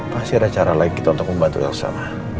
pasti ada cara lagi untuk membantu elsa ma